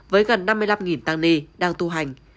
với gần năm mươi năm tăng ni đang tu hành